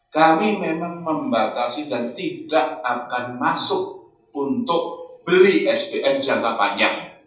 kami memang membatasi dan tidak akan masuk untuk beli sbm jangka panjang